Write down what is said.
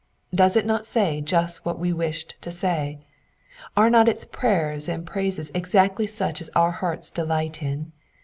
Does it not say just what we wished to say? Are not its prayers and praises exactly such as our hearts delight in